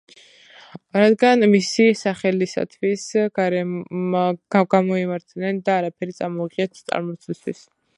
რადგან მისი სახელისათვის გამოემართნენ და არაფერი წამოუღიათ წარმართთათვის.